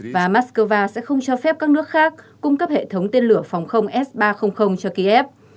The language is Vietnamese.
và moscow sẽ không cho phép các nước khác cung cấp hệ thống tên lửa phòng không s ba trăm linh cho kiev